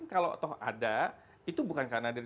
kalau ada itu bukan karena